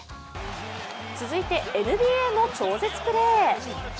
続いてＮＢＡの超絶プレー。